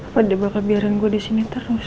hai pada bakal biarin gue di sini terus